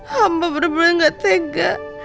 hamba bener bener gak tega